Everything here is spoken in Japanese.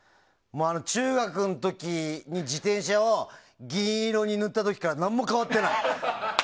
中学の時に自転車を銀色に塗った時から何も変わってない。